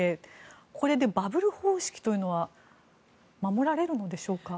これでバブル方式というのは守られるのでしょうか？